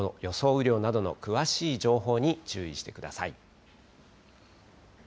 雨量などの詳しい情報に注意してください。